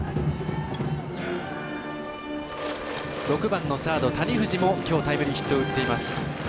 ６番のサード谷藤もきょうタイムリーヒットを打っています。